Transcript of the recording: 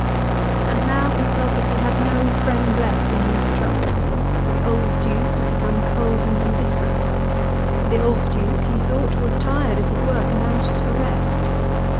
And now he felt that he had no friend left in whom to trust, for the old Duke had become cold and indifferent. The old Duke, he thought, was tired of his work and anxious for rest.